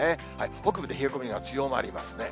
北部で冷え込みが強まりますね。